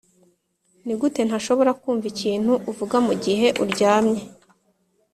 nigute ntashobora kumva ikintu uvuga mugihe uryamye.